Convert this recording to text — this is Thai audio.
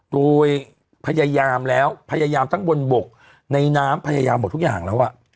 โดยพยายามแล้วพยายามทั้งบนบกในน้ำพยายามหมดทุกอย่างแล้ว